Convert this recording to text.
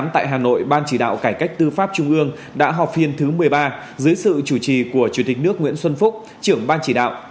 tại hà nội ban chỉ đạo cải cách tư pháp trung ương đã họp phiên thứ một mươi ba dưới sự chủ trì của chủ tịch nước nguyễn xuân phúc trưởng ban chỉ đạo